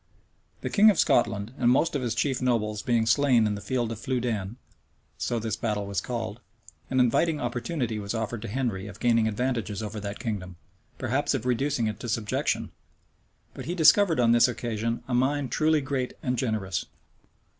The king of Scotland and most of his chief nobles being slain in the field of Flouden, (so this battle was called,) an inviting opportunity was offered to Henry of gaining advantages over that kingdom, perhaps of reducing it to subjection. But he discovered on this occasion a mind truly great and generous.